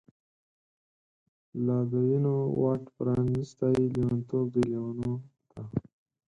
لادوینو واټ پرانستی، لیونتوب دی لیونو ته